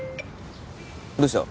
どうした？